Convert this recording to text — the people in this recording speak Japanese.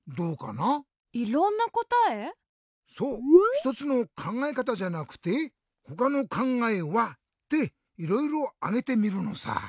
ひとつのかんがえかたじゃなくて「ほかのかんがえは？」でいろいろあげてみるのさ。